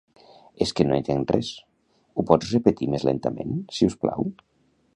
És que no entenc res, ho pots repetir més lentament, siusplau?